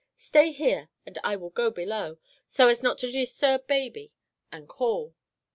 Stay here, and I will go below, so as not to disturb baby, and call."